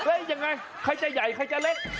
ยังไงใครจะใหญ่ใครจะเล็ก